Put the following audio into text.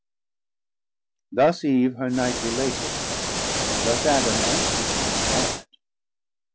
Thus Eve her Night Related, and thus Adam answerd sad.